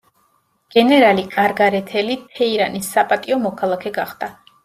გენერალი კარგარეთელი თეირანის საპატიო მოქალაქე გახდა.